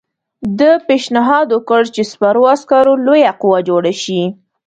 ده پېشنهاد وکړ چې سپرو عسکرو لویه قوه جوړه شي.